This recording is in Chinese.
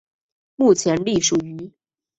目前隶属于。